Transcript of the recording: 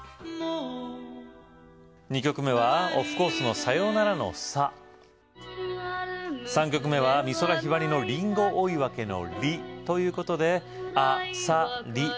２曲目はオフコースのさよならの「さ３曲目は美空ひばりのリンゴ追分の「ということであ・さ・リアサリです